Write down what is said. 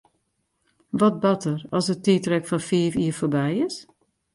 Wat bart der as it tiidrek fan fiif jier foarby is?